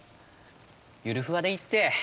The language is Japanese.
ゆるふわでいいって。